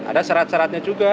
ada syarat syaratnya juga